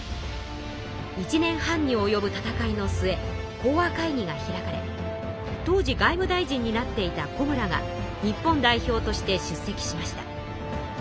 １年半におよぶ戦いの末講和会議が開かれ当時外務大臣になっていた小村が日本代表として出席しました。